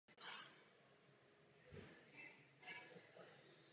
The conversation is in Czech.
Na pozemkovou reformu navázal zrušením nevolnictví a zavedením všeobecného volebního práva.